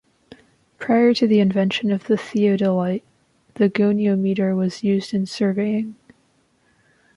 Prior to the invention of the theodolite, the goniometer was used in surveying.